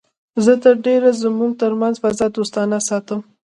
زه تر ډېره زموږ تر منځ فضا دوستانه ساتم